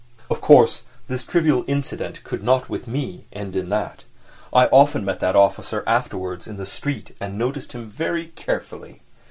Of course, this trivial incident could not with me end in that. I often met that officer afterwards in the street and noticed him very carefully.